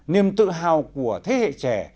niềm tự hào của thế hệ trẻ